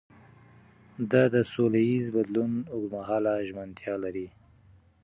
ده د سولهییز بدلون اوږدمهاله ژمنتیا لري.